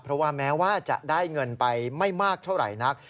เพราะว่าแม้ว่าจะได้เงินไปไม่มากเท่าไหร่นัก